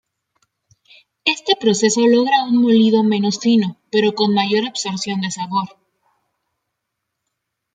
Este proceso logra un molido menos fino, pero con mayor absorción de sabor.